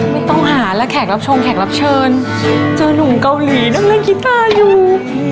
ไม่ต้องหาแล้วแขกรับชงแขกรับเชิญเจอนุ่มเกาหลีนั่งเล่นกีฟ่าอยู่